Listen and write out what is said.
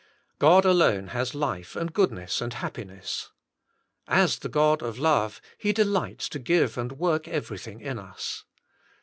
God alone has life and goodness and happiness. As the God of Love He delights to give and work every thing in us.